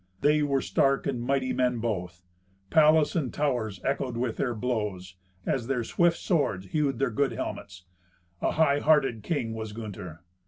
They were stark and mighty men both. Palace and towers echoed with their blows, as their swift swords hewed their good helmets. A high hearted king was Gunther.